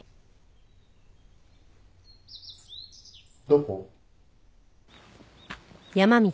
どこ？